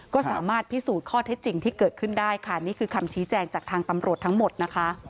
ก็สามารถพิสูจน์ข้อเท็จจริงที่เกิดขึ้นได้ค่ะนี่คือคำชี้แจงจากทางตำรวจทั้งหมดนะคะ